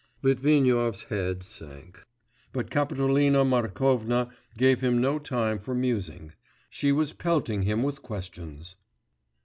'... Litvinov's head sank; but Kapitolina Markovna gave him no time for musing; she was pelting him with questions.